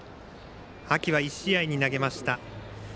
秋は１試合に投げました。